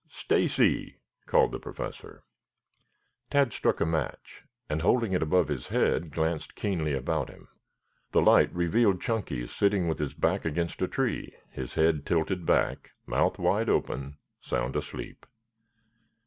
Stacy!" called the Professor. Tad struck a match and holding it above his head glanced keenly about him. The light revealed Chunky sitting with his back against a tree, his head tilted back, mouth wide open, sound asleep.